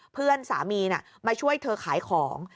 เพื่อนสามีมาช่วยเธอขายของ